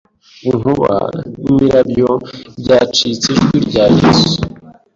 Inkuba nimirabyo byacitse Ijwi rya Yesu